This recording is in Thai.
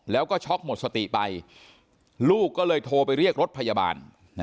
แล้วก็ช็อกหมดสติไปลูกก็เลยโทรไปเรียกรถพยาบาล